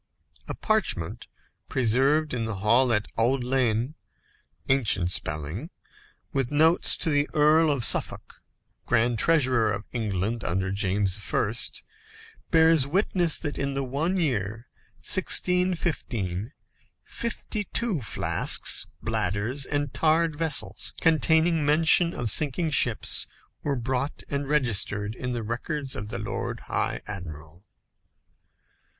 A parchment preserved in the hall at Audlyene (ancient spelling), with notes by the Earl of Suffolk, Grand Treasurer of England under James I., bears witness that in the one year, 1615, fifty two flasks, bladders, and tarred vessels, containing mention of sinking ships, were brought and registered in the records of the Lord High Admiral.